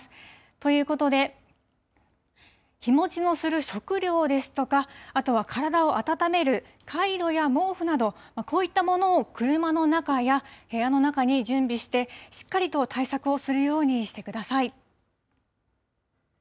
ということで、日持ちのする食料ですとか、あとは体を温めるカイロや毛布など、こういったものを車の中や部屋の中に準備して、しっかりと対策をするようにしてください。